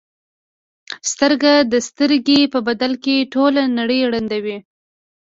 سترګه د سترګې په بدل کې ټوله نړۍ ړندوي.